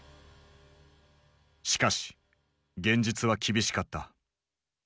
しかし現実は厳しかった。